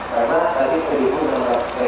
yang kedua tentu dari berita berita